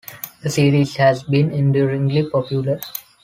The series has been enduringly popular.